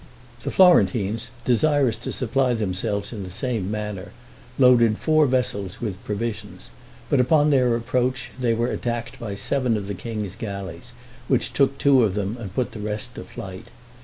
The Florentines, desirous to supply themselves in the same manner, loaded four vessels with provisions, but, upon their approach, they were attacked by seven of the king's galleys, which took two of them and put the rest to flight.